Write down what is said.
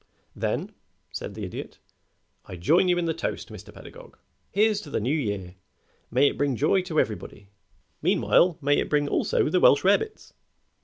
"Then," said the Idiot, "I join you in the toast, Mr. Pedagog. Here's to the New Year: may it bring joy to everybody. Meanwhile may it bring also the Welsh rarebits."